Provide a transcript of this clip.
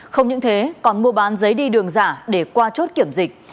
không những thế còn mua bán giấy đi đường giả để qua chốt kiểm dịch